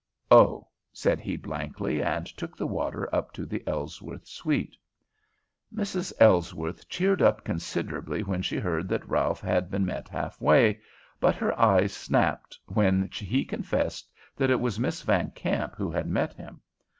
"Oh," said he blankly, and took the water up to the Ellsworth suite. Mrs. Ellsworth cheered up considerably when she heard that Ralph had been met half way, but her eyes snapped when he confessed that it was Miss Van Kamp who had met him.